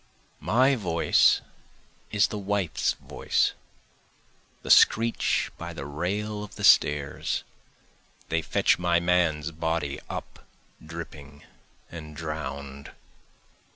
My voice is the wife's voice, the screech by the rail of the stairs, They fetch my man's body up dripping and drown'd.